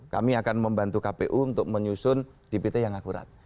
kami akan membantu kpu untuk menyusun dpt yang akurat